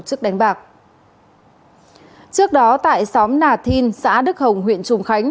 trước đánh bạc trước đó tại xóm nà thin xã đức hồng huyện trùng khánh